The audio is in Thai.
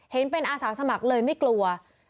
เห็นเป็นอาสาสมัครเลยไม่กลัว